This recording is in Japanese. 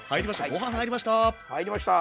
ご飯入りました！